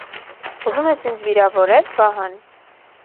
- Ուզում ես ինձ վիրավորե՞լ, Վահան: